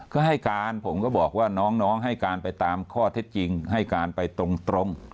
ก็ให้การผมก็บอกว่าน้องให้การไปตามข้อเท็จจริงให้การไปตรง